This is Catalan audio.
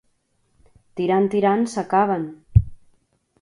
Tirant, tirant, s'acaben.